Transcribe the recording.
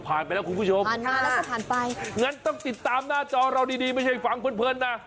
ผ่านไปแล้วคุณผู้ชมงั้นต้องติดตามหน้าจอเราดีไม่ใช่ฝังเพลินนะ